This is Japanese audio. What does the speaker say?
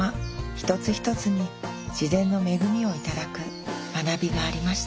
一つ一つに自然の恵みを頂く学びがありました